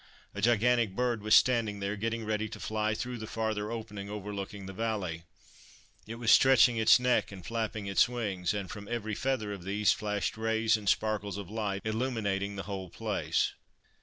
A gigantic bird was standing there, getting ready to fly through the farther opening overlooking the valley. It was stretching its neck and flapping its wings ; and, from every feather of these, flashed rays and sparkles of light, illuminating the whole place.